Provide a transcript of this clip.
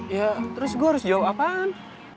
ya terus gue harus jawab apaan